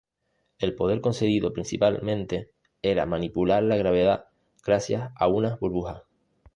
El poder concedido principal mente era manipular la gravedad gracias a una burbujas.